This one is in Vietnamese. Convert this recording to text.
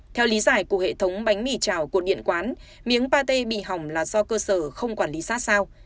theo lý giải của hệ thống bánh mì trào cột điện quán miếng pate bị hỏng là do cơ sở không quản lý sát sao